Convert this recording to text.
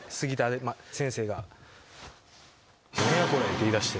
て言いだして。